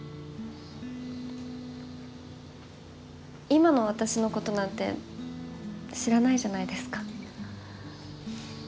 今の私のことなんて知らないじゃないですか。